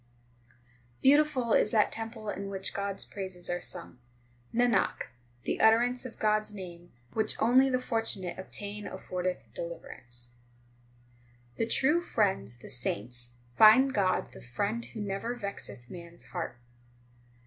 12 Beautiful is that temple in which God s praises are sung. Nanak, the utterance of God s name, which only the fortunate obtain, affordeth deliverance. 13 The true friends, the saints, find God the Friend who never vexeth man s heart.